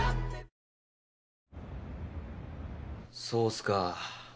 そうっすか。